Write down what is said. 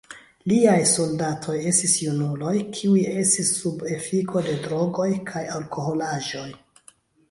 Liaj soldatoj estis junuloj kiuj estis sub efiko de drogoj kaj alkoholaĵoj.